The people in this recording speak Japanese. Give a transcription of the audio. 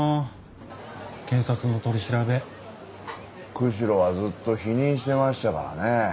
釧路はずっと否認してましたからね。